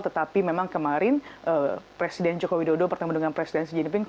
tetapi memang kemarin presiden joko widodo bertemu dengan presiden xi jinping